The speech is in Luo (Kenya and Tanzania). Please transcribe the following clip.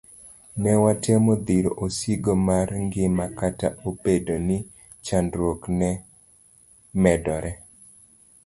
Newatemo dhiro osigo mar ngima kata obedo ni chandruok ne medore.